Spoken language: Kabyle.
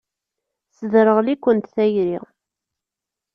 Tesderɣel-ikent tayri.